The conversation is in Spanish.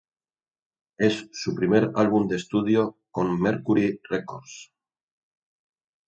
Es su primer álbum de estudio con Mercury Records.